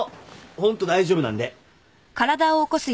ホント大丈夫なんで。